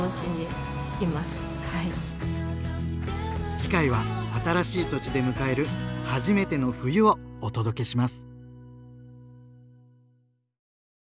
次回は新しい土地で迎える初めての冬をお届けします。